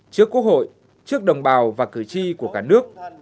trước quốc hội trước đồng bào và cử tri của cả nước